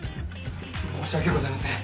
申し訳ございません。